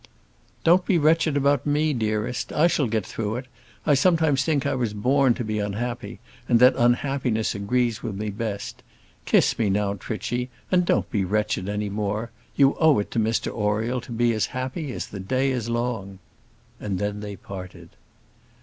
"Don't be wretched about me, dearest; I shall get through it. I sometimes think I was born to be unhappy, and that unhappiness agrees with me best. Kiss me now, Trichy, and don't be wretched any more. You owe it to Mr Oriel to be as happy as the day is long." And then they parted.